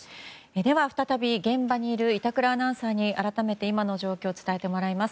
再び現場にいる板倉アナウンサーに改めて今の状況を伝えてもらいます。